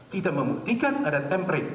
kita membuktikan ada tempering